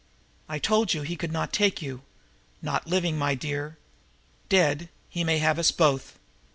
I told you he could not take you not living, my dear. Dead he may have us both."